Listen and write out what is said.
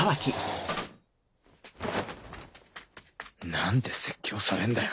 なんで説教されんだよ。